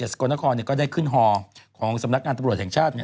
สกลนครก็ได้ขึ้นฮอของสำนักงานตำรวจแห่งชาติ